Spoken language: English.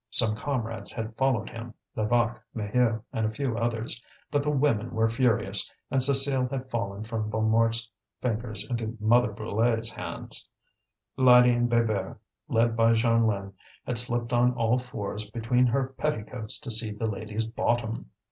Some comrades had followed him Levaque, Maheu, and a few others. But the women were furious, and Cécile had fallen from Bonnemort's fingers into Mother Brulé's hands. Lydie and Bébert, led by Jeanlin, had slipped on all fours between her petticoats to see the lady's bottom.